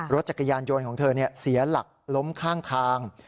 รถจักรยานยนต์ของเธอเสียหลักล้มข้างทาง